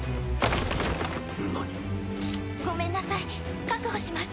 何⁉ごめんなさい確保します。